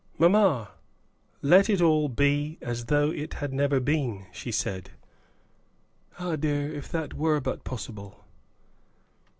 "Mamma, let it all be as though it had never been," she said. "Ah, dear! if that were but possible!"